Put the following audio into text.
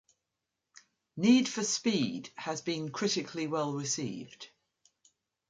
"Need for Speed" has been critically well received.